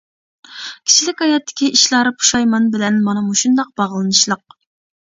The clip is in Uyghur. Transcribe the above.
كىشىلىك ھاياتتىكى ئىشلار پۇشايمان بىلەن مانا مۇشۇنداق باغلىنىشلىق.